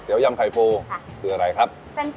เดี๋ยวยำไข่พูคืออะไรครับ